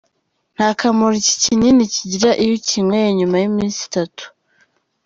Ntakamaro iki kinini kigira iyo ukinyweye nyuma y’iminsi itatu.